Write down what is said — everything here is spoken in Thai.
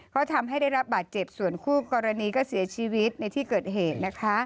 ก็ทำให้ได้รับบาดเจ็บส่วนคู่กรณีก็เสียชีวิตในที่เกิดเหตุนะคะ